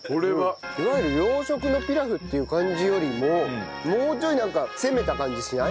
いわゆる洋食のピラフっていう感じよりももうちょいなんか攻めた感じしない？